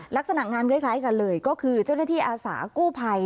ลักษณะงานคล้ายกันเลยก็คือเจ้าหน้าที่อาสากู้ภัย